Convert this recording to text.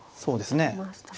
そうですね。